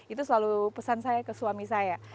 itu selalu pesan saya ke suami saya